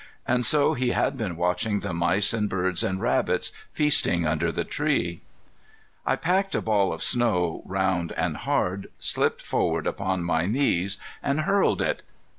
And so he had been watching the mice and birds and rabbits feasting under the tree! I packed a ball of snow round and hard, slipped forward upon my knees, and hurled it.